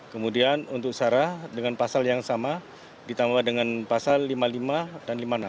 kemudian untuk sarah dengan pasal yang sama ditambah dengan pasal lima puluh lima dan lima puluh enam